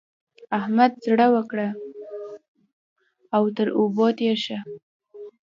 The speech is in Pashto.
احمد زړه وکړه او تر اوبو تېر شه.